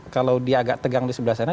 kalau dia agak tegang di sebelah sana